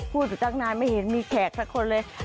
พูดอยู่ตั้งนานไม่เห็นมีแขกสักคนเลย